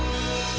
keren banget dia